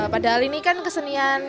padahal ini kan kesenian